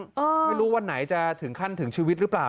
ไม่รู้วันไหนจะถึงขั้นถึงชีวิตหรือเปล่า